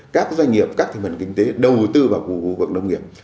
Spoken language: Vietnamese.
các doanh nghiệp các thịnh vận kinh tế đầu tư vào khu vực nông nghiệp